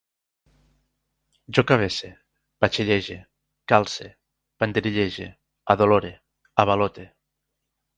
Jo cabece, batxillege, calce, banderillege, adolore, avalote